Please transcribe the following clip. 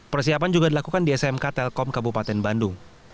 persiapan juga dilakukan di smk telkom kabupaten bandung